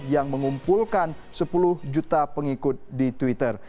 yang mengumpulkan sepuluh juta pengikut di twitter